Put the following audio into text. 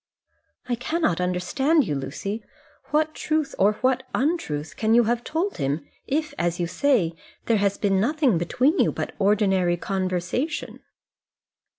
"I cannot understand you, Lucy. What truth or what untruth can you have told him if, as you say, there has been nothing between you but ordinary conversation?"